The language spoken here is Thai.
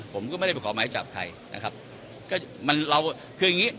ผมก็ไม่ได้ไปขอหมายจับใครนะครับ